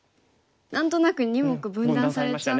何となく２目分断されちゃって。